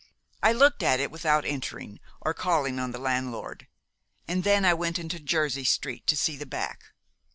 I looked at it without entering, or calling on the landlord, and then I went into Jersey Street to see the back.